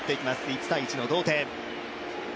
１−１の同点。